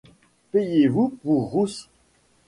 Payez-vous pour Rousse ?